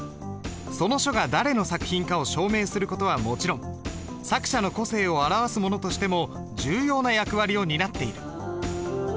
その書が誰の作品かを証明する事はもちろん作者の個性を表すものとしても重要な役割を担っている。